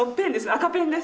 赤ペンです。